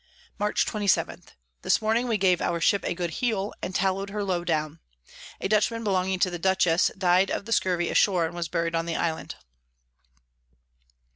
Mar. 27. This Morning we gave our Ship a good heel, and tallow'd her low down. A Dutchman belonging to the Dutchess died of the Scurvy ashore, and was buried on the Island.